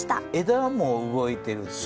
枝も動いてる。